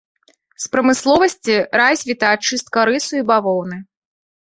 З прамысловасці развіта ачыстка рысу і бавоўны.